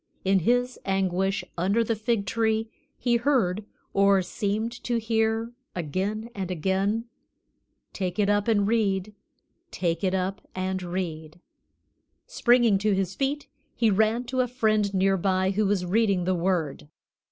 In his anguish under the fig tree he heard, or seemed to hear, again and again, "Take it up and read, Take it up and read." Springing to his feet, he ran to a friend near by who was reading the Word.